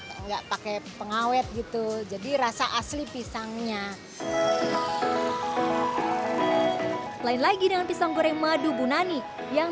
enggak pakai pengawet gitu jadi rasa asli pisangnya lain lagi dengan pisang goreng madu gunani yang